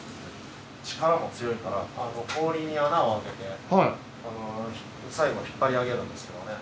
力も強いから氷に穴を開けて最後引っ張り上げるんですけどね